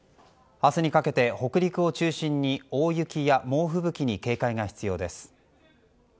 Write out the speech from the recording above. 明日にかけて北陸を中心に大雪や猛吹雪に警戒が必要です。